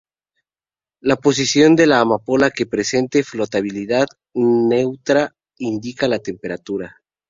La posición de la ampolla que presente flotabilidad neutra indica la temperatura.